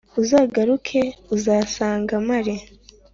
Uzagaruke uzasanga mpari